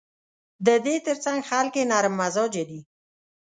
د دې ترڅنګ خلک یې نرم مزاجه دي.